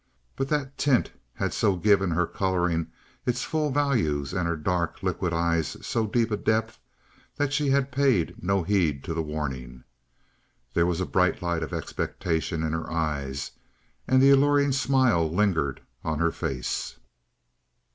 But that tint had so given her colouring its full values and her dark, liquid eyes so deep a depth, that she had paid no heed to the warning. There was a bright light of expectation in her eyes, and the alluring smile lingered on her face.